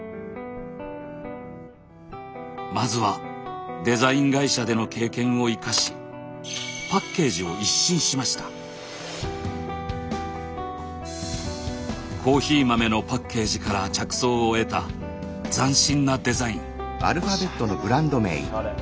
まずはデザイン会社での経験を生かしコーヒー豆のパッケージから着想を得た斬新なデザイン。